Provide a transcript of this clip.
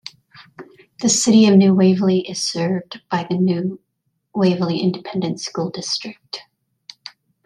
The City of New Waverly is served by the New Waverly Independent School District.